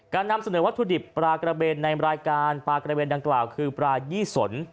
นำเสนอวัตถุดิบปลากระเบนในรายการปลากระเวนดังกล่าวคือปลายี่สน